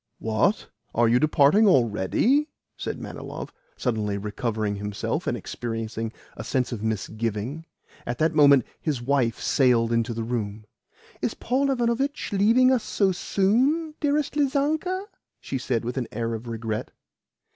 "What? Are you departing already?" said Manilov, suddenly recovering himself, and experiencing a sense of misgiving. At that moment his wife sailed into the room. "Is Paul Ivanovitch leaving us so soon, dearest Lizanka?" she said with an air of regret.